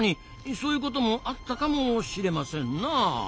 そういうこともあったかもしれませんな。